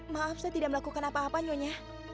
maaf saya tidak melakukan apa apa nyonya